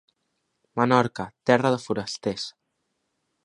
Menorca, terra de forasters.